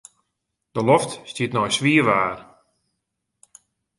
De loft stiet nei swier waar.